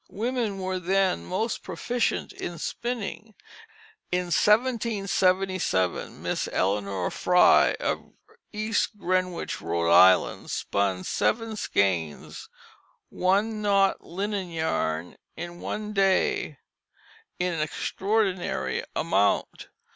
Women were then most proficient in spinning. In 1777 Miss Eleanor Fry of East Greenwich, Rhode Island, spun seven skeins one knot linen yarn in one day, an extraordinary amount.